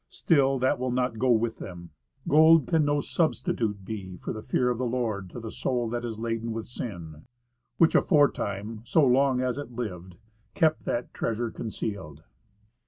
Still that will not go with them. Gold can no substitute be C 114 1 For the fear of the Lord, to the soul that is laden with sin, Which aforetime, so long as it lived, kept that treasure concealed.